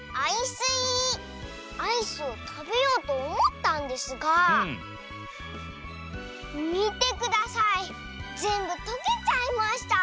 スイアイスをたべようとおもったんですがみてくださいぜんぶとけちゃいました。